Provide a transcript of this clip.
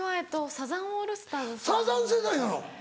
サザン世代なの？